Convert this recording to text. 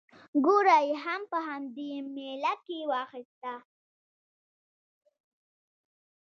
ګوړه یې هم په همدې مېله کې واخیستله.